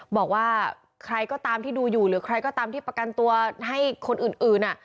บอกว่าใครก็ตามที่ดูอยู่หรือใครก็ตามที่ประกันตัวให้คนอื่น